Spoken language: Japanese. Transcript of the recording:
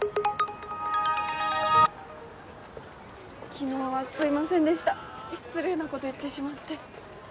昨日はすいませんでした失礼なこと言ってしまって。